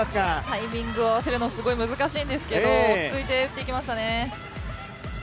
タイミングを合わせるのがすごく難しいんですけど落ち着いて打っていきましたね。